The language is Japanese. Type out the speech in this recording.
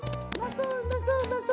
そううまそううまそう。